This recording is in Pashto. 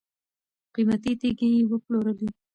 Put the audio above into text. قیمتي تیږي یې وپلورلې.